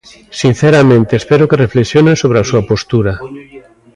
Sinceramente, espero que reflexionen sobre a súa postura.